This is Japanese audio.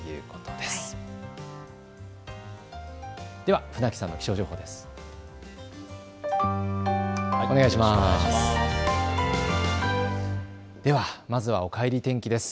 では船木さんの気象情報です。